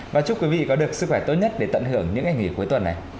và chúc quý vị có được sức khỏe tốt nhất để tận hưởng những ngày nghỉ cuối tuần này